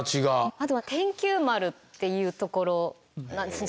あとは天球丸っていうところなんですね